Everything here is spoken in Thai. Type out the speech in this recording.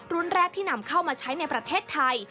แรกที่นำเข้ามาใช้ในประเทศไทย